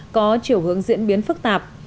có chiều hướng diễn biến phức tạp